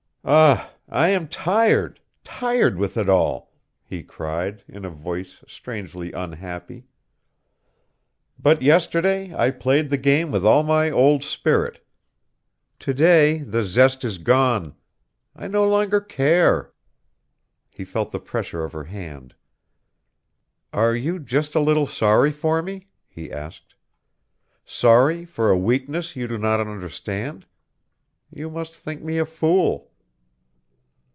"Ah, I am tired tired with it all!" he cried, in a voice strangely unhappy. "But yesterday I played the game with all my old spirit; to day the zest is gone! I no longer care." He felt the pressure of her hand. "Are you just a little sorry for me?" he asked. "Sorry for a weakness you do not understand? You must think me a fool."